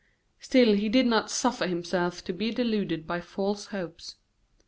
Still he did not suffer himself to be deluded by false hopes.